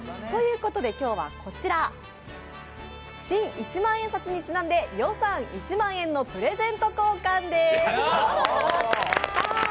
ということで、今日は新一万円札にちなんで予算１万円のプレゼント交換です。